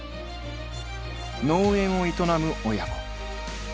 農園を営む親子。